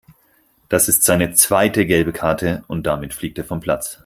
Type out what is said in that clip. Das ist seine zweite gelbe Karte und damit fliegt er vom Platz.